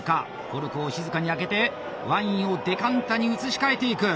コルクを静かに開けてワインをデカンタに移し替えていく！